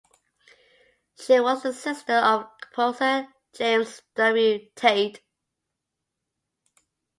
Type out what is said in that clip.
She was the sister of composer James W. Tate.